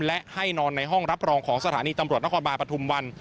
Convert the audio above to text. และให้นอนในห้องรับรองของสถานีตำรวจนครบาลปฐุมวัน